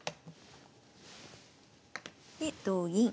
で同銀。